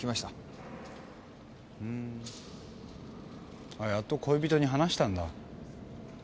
ふーんやっと恋人に話したんだ。